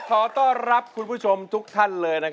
ขอต้อนรับคุณผู้ชมทุกท่านเลย